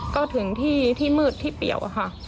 ก็ถึงที่มืดที่เปรียวค่ะ